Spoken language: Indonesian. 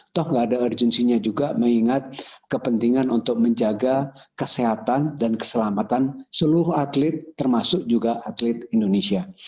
toh gak ada urgensinya juga mengingat kepentingan untuk menjaga kesehatan dan keselamatan seluruh atlet termasuk juga atlet indonesia